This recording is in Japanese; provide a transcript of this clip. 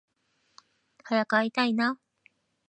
早く会いたいな